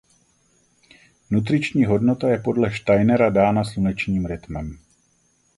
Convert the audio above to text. Nutriční hodnota je podle Steinera dána slunečním rytmem.